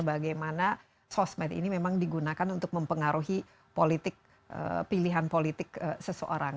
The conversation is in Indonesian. bagaimana sosmed ini memang digunakan untuk mempengaruhi politik pilihan politik seseorang